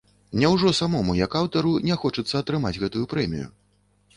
Няўжо самому як аўтару не хочацца атрымаць гэтую прэмію?